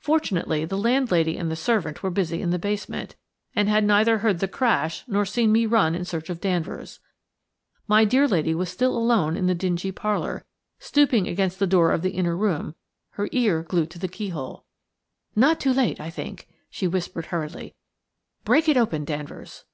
Fortunately, the landlady and the servant were busy in the basement, and had neither heard the crash nor seen me run in search of Danvers. My dear lady was still alone in the dingy parlour, stooping against the door of the inner room, her ear glued to the keyhole. "Not too late, I think," she whispered hurriedly. "Break it open, Danvers."